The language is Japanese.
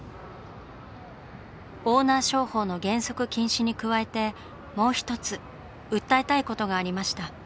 オーナー商法の原則禁止に加えてもう一つ訴えたいことがありました。